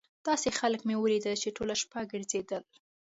داسې خلک مې ولیدل چې ټوله شپه ګرځېدل.